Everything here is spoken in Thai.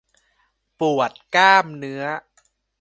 ปวดกล้ามเนื้อ